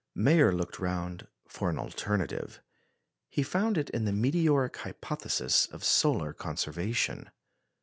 Mayer looked round for an alternative. He found it in the "meteoric hypothesis" of solar conservation.